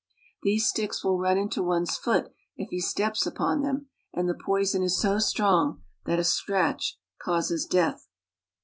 These sticks will run into one's foot if he steps I upon them, and the poison is so strong that a scratch j causes death.